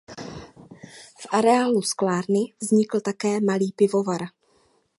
V areálu sklárny vznikl také malý pivovar.